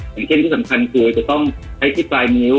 อย่างเช่นที่สำคัญคือจะต้องใช้ที่ปลายนิ้ว